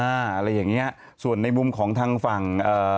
อะไรอย่างเงี้ยส่วนในมุมของทางฝั่งเอ่อ